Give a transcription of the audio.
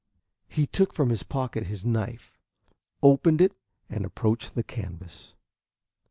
He took from his pocket his knife, opened it, and approached the canvas.